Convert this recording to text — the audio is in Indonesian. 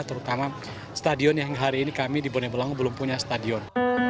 terutama stadion yang hari ini kami di bone bolango belum punya stadion